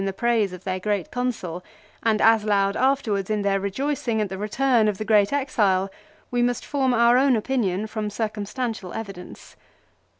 7 praise of their great Consul, and as loud afterwards in their rejoicings at the return of the great exile, we must form our own opinion from circumstantial evidence.